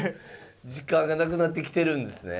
時間がなくなってきてるんですね。